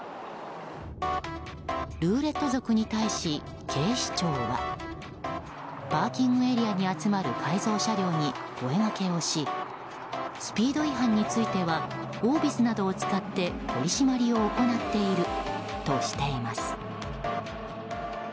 ルーレット族に対し、警視庁はパーキングエリアに集まる改造車両に声がけをしスピード違反についてはオービスなどを使って取り締まりを行っているとしています。